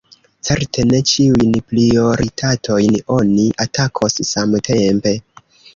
Certe ne ĉiujn prioritatojn oni atakos samtempe.